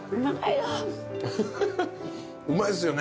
うまいっすよね。